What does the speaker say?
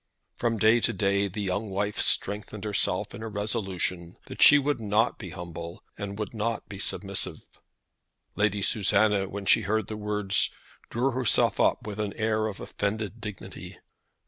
From day to day the young wife strengthened herself in a resolution that she would not be humble and would not be submissive. Lady Susanna, when she heard the words, drew herself up with an air of offended dignity.